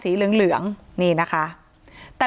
ที่มีข่าวเรื่องน้องหายตัว